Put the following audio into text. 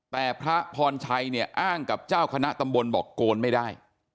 แต่พระพรชัยเนี่ยอ้างกับเจ้าคณะตำบลบอกโกนไม่ได้